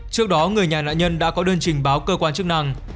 trước đó người nhà nạn nhân đã có đơn trình báo cơ quan chức năng